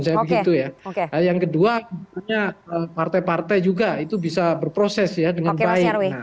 nah yang kedua partai partai juga itu bisa berproses ya dengan baik